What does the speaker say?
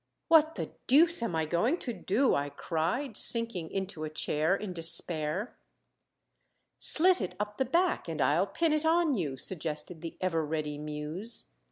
"What the deuce am I going to do?" I cried, sinking into a chair in despair. "Slit it up the back, and I'll pin it on you," suggested the ever ready Muse.